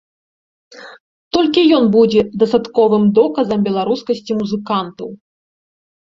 Толькі ён будзе дастатковым доказам беларускасці музыкантаў.